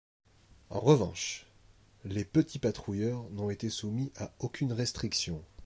En revanche, les petits patrouilleurs n'ont été soumis à aucune restriction.